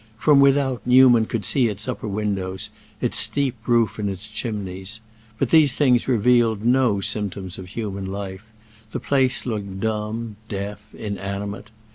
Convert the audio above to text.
From without Newman could see its upper windows, its steep roof and its chimneys. But these things revealed no symptoms of human life; the place looked dumb, deaf, inanimate.